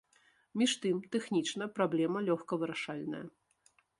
Між тым тэхнічна праблема лёгка вырашальная.